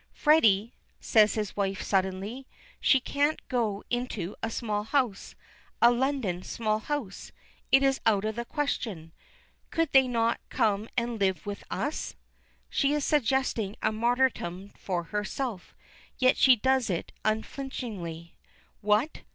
"Freddy," says his wife suddenly. "She can't go into a small house, a London small house. It is out of the question. Could they not come and live with us?" She is suggesting a martyrdom for herself, yet she does it unflinchingly. "What!